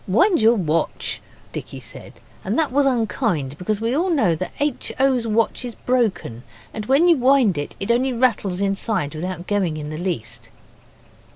'Wind your watch,' Dicky said. And that was unkind, because we all know H. O.'s watch is broken, and when you wind it, it only rattles inside without going in the least.